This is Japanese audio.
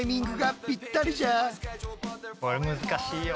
これ難しいよ。